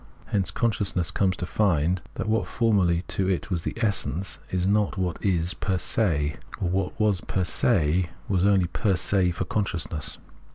Hence consciousness comes to find that what formerly to it was the essence is not what is fer se, or what was fer se was only fer se for consciousness.